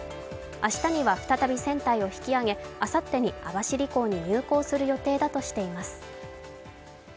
明日には再び船体を引き揚げ、あさってに網走港に入港する予定だとしています。